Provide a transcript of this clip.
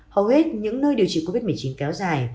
hầu hết những nơi điều trị covid một mươi chín kéo dài